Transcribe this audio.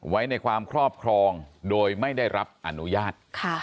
ไว้ในความครอบครองโดยไม่ได้รับอนุญาต